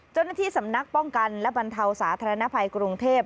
เจ้าหน้าที่สำนักป้องกันและบรรเทาสาธารณภัยกรุงเทพ